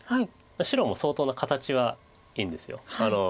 白も相当形はいいんです。